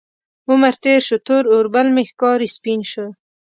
عمر تیر شو، تور اوربل مې ښکاري سپین شو